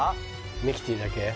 ミキティだけ？